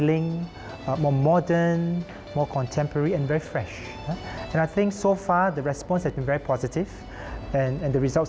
เส้นมาทุกเวลากลับรี่โปร์เรียบร้อย